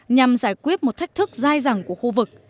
nhằm giải quyết một thách thức dai dẳng của khu vực